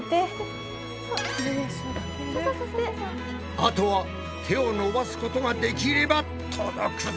あとは手を伸ばすことができれば届くぞ。